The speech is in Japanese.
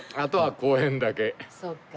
そっか。